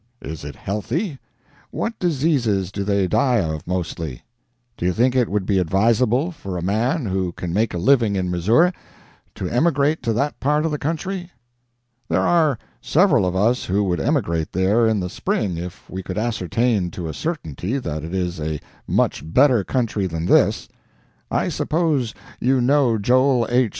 Is it healthy? What diseases do they die of mostly? Do you think it would be advisable for a man who can make a living in Missouri to emigrate to that part of the country? There are several of us who would emigrate there in the spring if we could ascertain to a certainty that it is a much better country than this. I suppose you know Joel H.